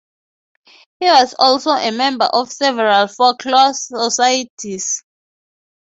He was also a member of several folklore societies.